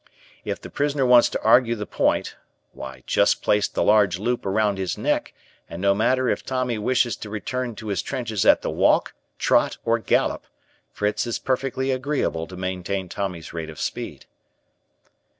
If the prisoner wants to argue the point, why just place the large loop around his neck and no matter if Tommy wishes to return to his trenches at the walk, trot, or gallop, Fritz is perfectly agreeable to maintain Tommy's rate of speed.